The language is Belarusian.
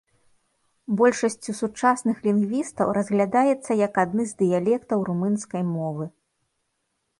Большасцю сучасных лінгвістаў разглядаецца як адны з дыялектаў румынскай мовы.